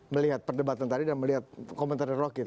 melihat perdebatan tadi dan melihat komentar dari rocky tuh